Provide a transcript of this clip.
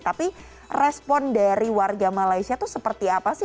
tapi respon dari warga malaysia itu seperti apa sih